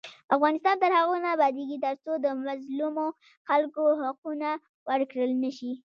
افغانستان تر هغو نه ابادیږي، ترڅو د مظلومو خلکو حقونه ورکړل نشي.